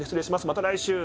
また来週」